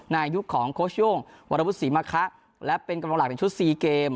ในยุคของโค้ชโย่งวรวุฒิศรีมะคะและเป็นกำลังหลักในชุด๔เกม